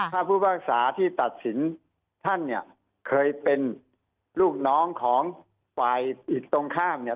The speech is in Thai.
ถ้าผู้ภาคศาที่ตัดสินท่านเนี่ยเคยเป็นลูกน้องของฝ่ายผิดตรงข้ามเนี่ย